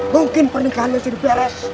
mungkin pernikahannya sudah beres